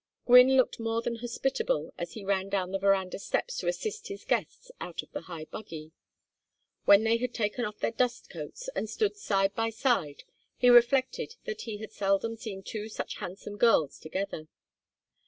Gwynne looked more than hospitable as he ran down the veranda steps to assist his guests out of the high buggy. When they had taken off their dust cloaks and stood side by side he reflected that he had seldom seen two such handsome girls together.